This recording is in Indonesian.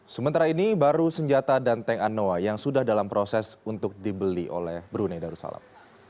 sementara ini baru senjata dan tank anoa yang sudah dalam proses untuk dibeli oleh brunei darussalam